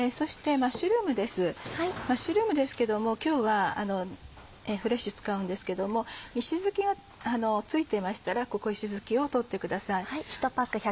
マッシュルームですけども今日はフレッシュ使うんですけども石突きが付いてましたらここ石突きを取ってください。